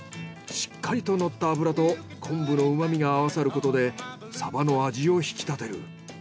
しっかりとのった脂と昆布の旨みが合わさることでサバの味を引き立てる。